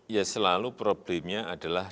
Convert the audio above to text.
ya selalu problemnya adalah